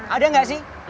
ada gak sih